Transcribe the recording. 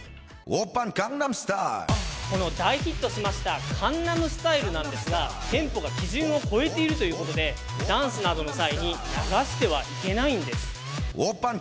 この大ヒットしました、江南スタイルなんですが、テンポが基準を超えているということで、ダンスなどの際に流してはいけないんです。